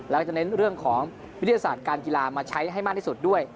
แล้วจะเน้นเรื่องของวิทยาศาสตร์การกีฬามาใช้ให้มากที่สุดด้วย